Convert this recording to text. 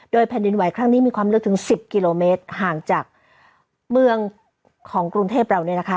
แผ่นดินไหวครั้งนี้มีความลึกถึง๑๐กิโลเมตรห่างจากเมืองของกรุงเทพเราเนี่ยนะคะ